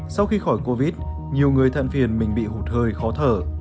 sau khi khỏi covid nhiều người thân phiền mình bị hụt hơi khó thở